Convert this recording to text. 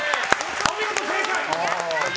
お見事、正解！